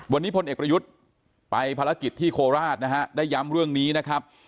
วันนี้พลเอกประยุทธ์ไปภารกิจที่โคราชนะฮะได้ย้ำเรื่องนี้นะครับ